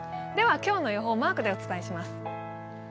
今日の予報をマークでお伝えします。